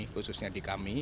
khususnya di kami